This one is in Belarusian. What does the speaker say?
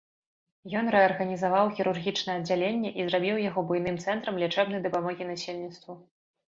Ён рэарганізаваў хірургічнае аддзяленне і зрабіў яго буйным цэнтрам лячэбнай дапамогі насельніцтву.